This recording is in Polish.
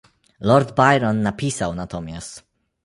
Lord Byron napisał natomiast